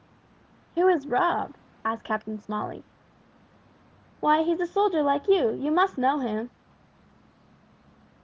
"Who is Rob?" asked Captain Smalley. "Why, he's a soldier like you. You must know him!"